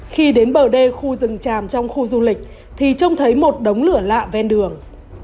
khi đến bờ đê khu rừng tràm trong khu du lịch thì trông thấy một đống lửa lạ ven đường